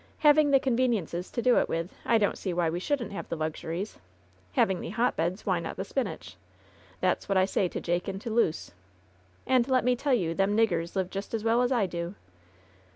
Having the conveniences to do it with, I don't see why we shouldn't have the luxuries. Having the hotbeds, why not the spinach ? That's what I say to Jake and to Luce. And let me tell you them niggers live just as well as I do."